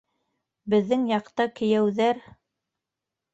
Беҙҙең яҡта кейәүҙәр...